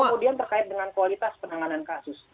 kemudian terkait dengan kualitas penanganan kasus